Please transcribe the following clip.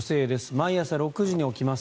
毎朝６時に起きます。